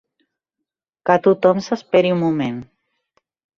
Que tothom s'esperi un moment.